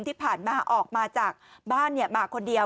ที่ผ่านมาออกมาจากบ้านมาคนเดียว